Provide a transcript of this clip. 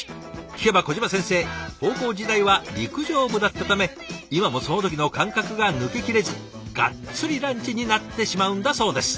聞けば小島先生高校時代は陸上部だったため今もその時の感覚が抜けきれずがっつりランチになってしまうんだそうです。